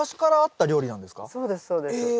そうですそうです。え！